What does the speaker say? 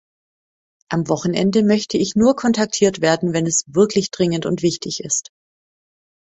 Am Wochenende möchte ich nur kontaktiert werden, wenn es wirklich dringend und wichtig ist.